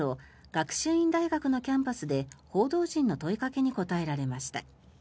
学習院大学のキャンパスで報道陣の問いかけに答えられました。